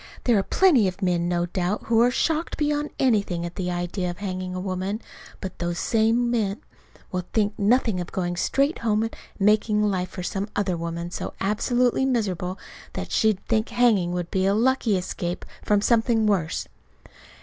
There are plenty of men, no doubt, who are shocked beyond anything at the idea of hanging a woman; but those same men will think nothing of going straight home and making life for some other woman so absolutely miserable that she'd think hanging would be a lucky escape from something worse."